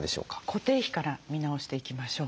固定費から見直していきましょう。